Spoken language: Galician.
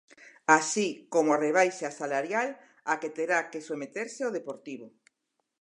Así como a rebaixa salarial á que terá que someterse o Deportivo.